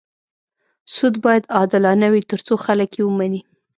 سود باید عادلانه وي تر څو خلک یې ومني.